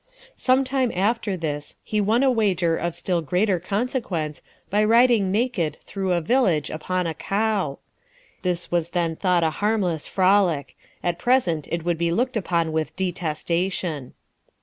Some time after this, he won a wager of still greater consequence, by riding naked through a village upon a cow. This was then thought a harmless frolic ; at present it would be looked upon with detestation.